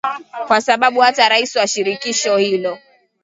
kwa sababu hata rais wa shirikisho hilo